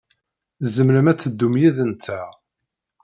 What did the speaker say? Tzemrem ad teddum yid-nteɣ.